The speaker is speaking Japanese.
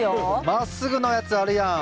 まっすぐのやつあるやん。